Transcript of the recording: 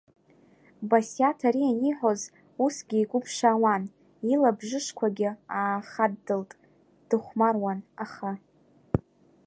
Басиаҭ ари аниҳәоз усгьы игәы ԥшаауан, илабжышқәагьы аахаддылт, дыхәмаруан, аха.